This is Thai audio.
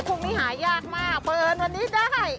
พวกนี้หายากมากเพราะเอิญวันนี้ได้